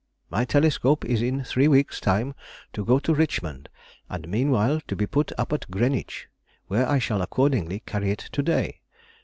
My telescope is in three weeks' time to go to Richmond, and meanwhile to be put up at Greenwich, where I shall accordingly carry it to day.